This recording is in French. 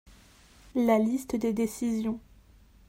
la liste des décisions.